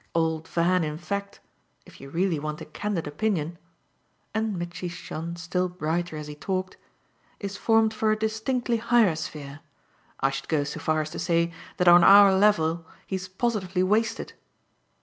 Old Van in fact if you really want a candid opinion," and Mitchy shone still brighter as he talked, "is formed for a distinctly higher sphere. I should go so far as to say that on our level he's positively wasted."